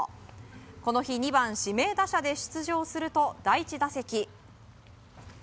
この日２番、指名打者で出場すると第１打席。